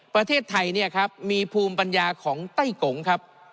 ประเทศไทยมีภูมิปัญญาของไต้กงครับ